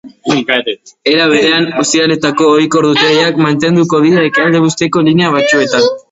Era berean, ostiraletako ohiko ordutegiak mantenduko dira ekialdebuseko linea batzuetan.